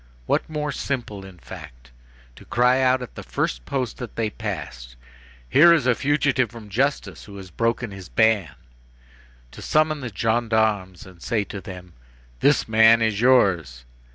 What more simple, in fact? To cry out at the first post that they passed:—"Here is a fugitive from justice, who has broken his ban!" to summon the gendarmes and say to them: "This man is yours!"